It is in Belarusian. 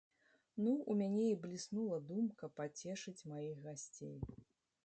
Ну, у мяне і бліснула думка пацешыць маіх гасцей.